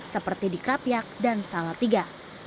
seperti di krapiak dan salatiga